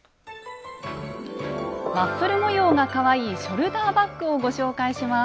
ワッフル模様がかわいいショルダーバッグをご紹介します。